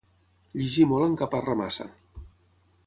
Llegir molt encaparra massa.